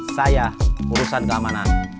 saya urusan keamanan